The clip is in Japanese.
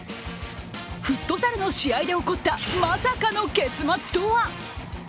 フットサルの試合で起こったまさかの結末とは？